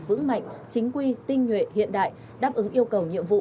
vững mạnh chính quy tinh nhuệ hiện đại đáp ứng yêu cầu nhiệm vụ